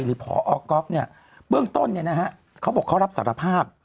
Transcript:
พอก๊อฟเนี่ยเบื้องต้นเนี่ยนะฮะเขาบอกเขารับสารภาพ